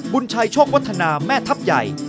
บุญชัยโชควัฒนาแม่ทัพใหญ่